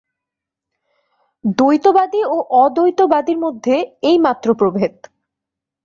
দ্বৈতবাদী ও অদ্বৈতবাদীর মধ্যে এইমাত্র প্রভেদ।